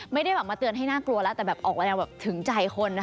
ไม่ได้แบบมาเตือนให้น่ากลัวแล้วแต่แบบออกมาแล้วแบบถึงใจคนนะคะ